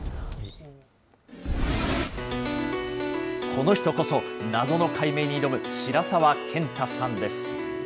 この人こそ、謎の解明に挑む白澤健太さんです。